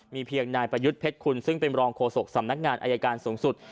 มีเพียงนายประยุทธ์เพชรคุณซึ่งเป็นรองโฆษกสำนักงานอายการสูงสุด